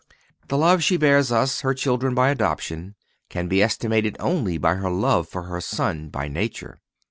The love she bears us, her children by adoption, can be estimated only by her love for her Son by nature.